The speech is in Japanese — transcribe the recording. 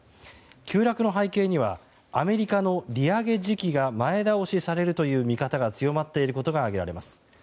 急落の背景にはアメリカの利上げ時期が前倒しされるという見方が強まっていることが挙げられます。